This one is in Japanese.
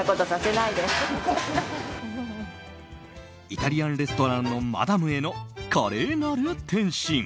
イタリアンレストランのマダムへの華麗なる転身。